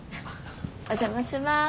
お邪魔します。